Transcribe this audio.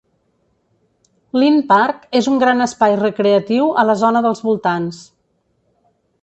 Linn Park és un gran espai recreatiu a la zona dels voltants.